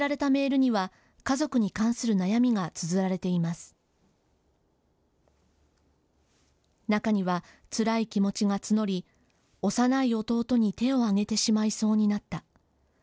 中には、つらい気持ちが募り幼い弟に手をあげてしまいそうになった。